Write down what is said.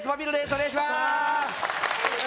お願いします